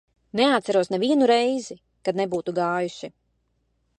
Neatceros nevienu reizi, kad nebūtu gājuši.